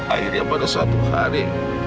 akhirnya pada satu hari